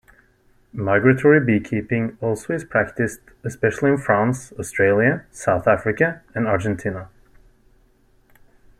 Migratory beekeeping also is practiced, especially in France, Australia, South Africa and Argentina.